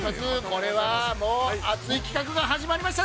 これはもう熱い企画が始まりました！